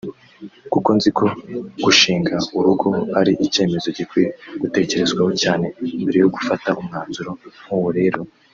Kuko nziko gushinga urugo ari icyemezo gikwiye gutekerezwaho cyane mbere yo gufata umwanzuro nk’uwo rero